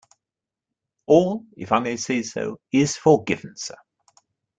All, if I may say so, is forgiven, sir.